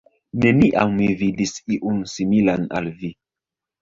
Neniam mi vidis iun, similan al vi.